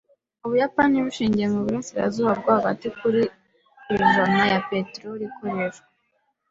Ubuyapani bushingiye muburasirazuba bwo hagati kuri % ya peteroli ikoresha.